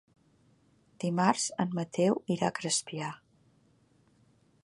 Dimarts en Mateu irà a Crespià.